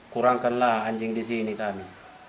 kurangkanlah anjing di sini